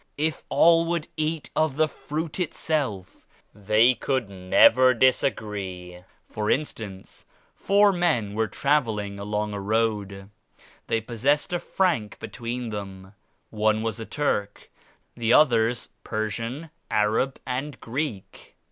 If all would eat of the Fruit Itself they could never disagree. For in stance four men were traveling along a road. They possessed a franc between them. One was 81 a Turk, the others Persian, Arab and Greek.